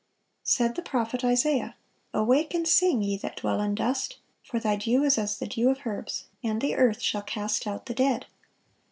(453) Said the prophet Isaiah: "Awake and sing, ye that dwell in dust: for thy dew is as the dew of herbs, and the earth shall cast out the dead."